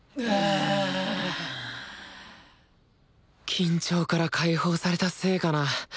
緊張から解放されたせいかな